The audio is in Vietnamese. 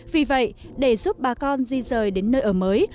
vì vậy để giúp bà con di rời đến nơi ở mới